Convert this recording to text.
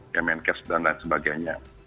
kemenkes dan lain sebagainya